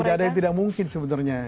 jadi tidak ada yang tidak mungkin sebenernya